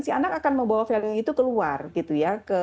si anak akan membawa value itu keluar gitu ya